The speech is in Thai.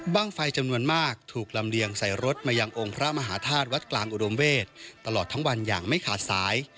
ไฟจำนวนมากถูกลำเลียงใส่รถมายังองค์พระมหาธาตุวัดกลางอุดมเวศตลอดทั้งวันอย่างไม่ขาดสาย